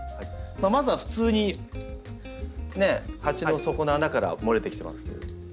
まずは普通にね鉢の底の穴から漏れてきてますけど。